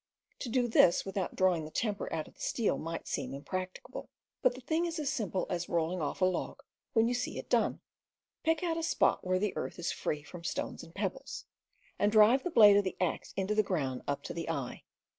To do this without drawing the temper of the steel might seem impracticable; but the thing is as simple as rolling off a log, when you see it done. Pick out a spot where the earth is free from stones and pebbles, and drive the blade of the axe into the ground up to the eye.